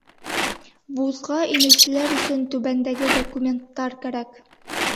Вузға инеүселәр өсөн түбәндәге документтар кәрәк